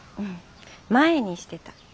前にしてた。